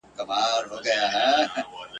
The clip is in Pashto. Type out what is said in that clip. نه تر کلي سوای چا تېل را رسولای !.